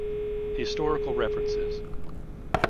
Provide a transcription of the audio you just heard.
Historical references